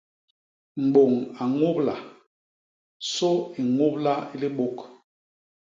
Mbôñ a ñubla; sô i ñubla i libôk.